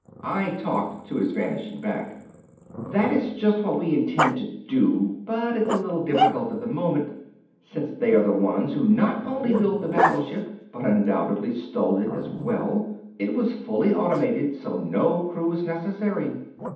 I talked to his vanishing back. "That is just what we intend to do, but it's a little difficult at the moment since they are the ones who not only built the battleship, but undoubtedly stole it as well. It was fully automated so no crew is necessary."